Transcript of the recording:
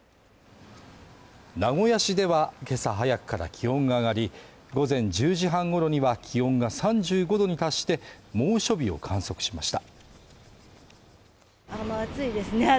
名古屋市では、けさ早くから気温が上がり、午前１０時半ごろには気温が３５度に達して猛暑日を観測しました。